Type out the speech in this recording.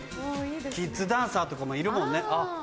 キッズダンサーとかもいるもんね。